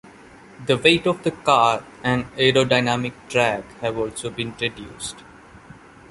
The weight of the car and aerodynamic drag have also been reduced.